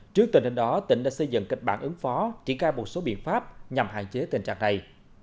trước tình hình đó tỉnh đã xây dựng kịch bản ứng phó triển khai một số biện pháp nhằm hạn chế tình trạng này